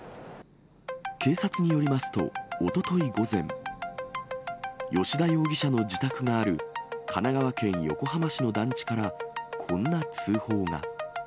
警察によりますと、おととい午前、吉田容疑者の自宅がある神奈川県横浜市の団地から、こんな通報が。